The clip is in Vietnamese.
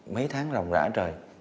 mấy tháng lòng rã trời